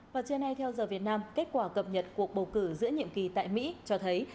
và trên này theo giờ việt nam kết quả cập nhật cuộc bầu cử giữa nhiệm kỳ tại mỹ cho thấy